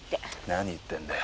何言ってんだよ。